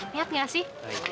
niat gak sih